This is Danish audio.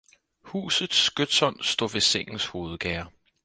Husets skytsånd stod ved sengens hovedgærde.